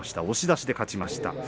押し出して勝ちました。